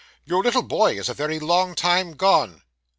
'Your little boy is a very long time gone.